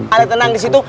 ada tenang disitu